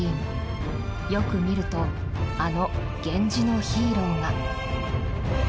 よく見るとあの源氏のヒーローが。